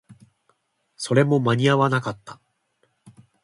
それも間に合わなかった